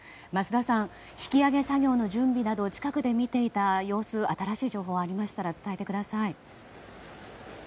桝田さん引き揚げ作業の準備など近くで見ていた様子新しい情報ありましたら伝えてください。